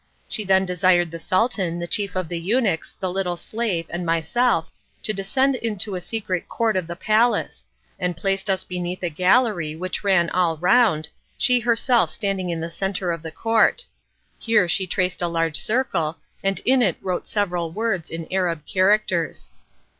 She then desired the Sultan, the chief of the eunuchs, the little slave, and myself to descend into a secret court of the palace, and placed us beneath a gallery which ran all round, she herself standing in the centre of the court. Here she traced a large circle and in it wrote several words in Arab characters.